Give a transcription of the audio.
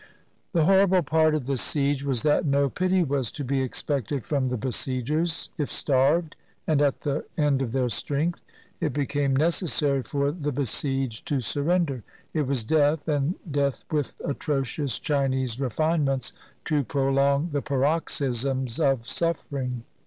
The horrible part of the siege was that no pity was to be expected from the besiegers; if, starved, and at the end of their strength, it became necessary for the be sieged to surrender, it was death, and death with atro cious Chinese refinements to prolong the paroxysms of suffering.